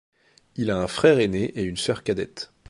Il a un frère aîné et une sœur cadette.